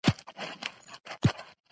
نارینه راووت غوږونه یې ځړېدلي وو.